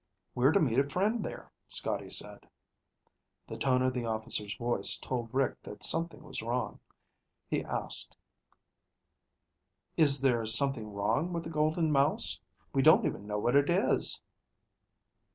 "We're to meet a friend there," Scotty said. The tone of the officer's voice told Rick that something was wrong. He asked, "Is something wrong with the Golden Mouse? We don't even know what it is."